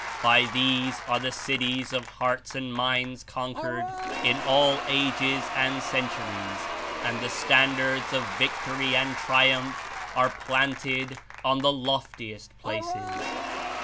By these are the cities of hearts and minds conquered in all ages and centuries and the standards of victory and triumph are planted on the loftiest places."